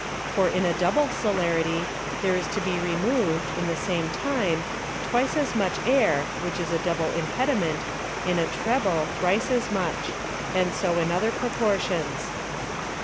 For in a double Celerity, there is to be removed (in the same time) twice as much Air, (which is a double Impediment) in a treble, thrice as much; and so in other Proportions.